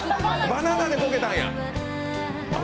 バナナでこけたんや。